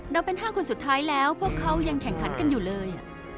เราเป็น๕คนสุดท้ายแล้วพวกเขายังแข่งขันกันอยู่เลย